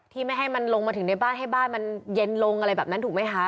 ไม่ให้มันลงมาถึงในบ้านให้บ้านมันเย็นลงอะไรแบบนั้นถูกไหมคะ